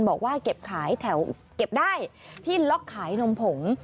บอกว่าเก็บขายแถวเก็บได้ที่ล็อกขายนมผง